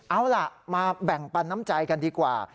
เอาล่ะมาแบ่งปันน้ำใจกันดีกว่า